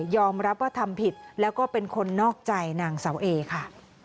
อมรับว่าทำผิดแล้วก็เป็นคนนอกใจนางเสาเอค่ะ